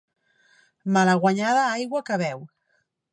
Malaguanyada aigua que beu.